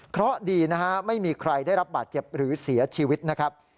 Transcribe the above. เพราะดีนะฮะไม่มีใครได้รับบาดเจ็บหรือเสียชีวิตนะครับ